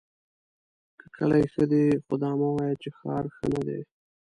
که کلی ښۀ دی خو دا مه وایه چې ښار ښۀ ندی!